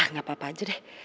nggak apa apa aja deh